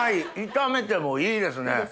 炒めてもいいですね。